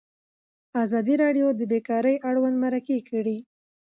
ازادي راډیو د بیکاري اړوند مرکې کړي.